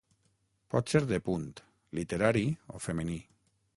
Pot ser de punt, literari o femení.